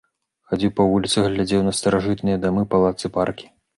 Хадзіў па вуліцах, глядзеў на старажытныя дамы, палацы, паркі.